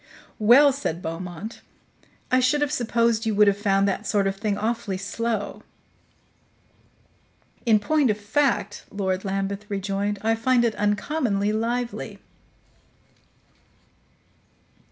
"Well," said Beaumont, "I should have supposed you would have found that sort of thing awfully slow." "In point of fact," Lord Lambeth rejoined, "I find it uncommonly lively."